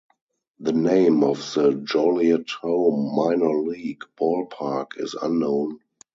The name of the Joliet home minor league ballpark is unknown.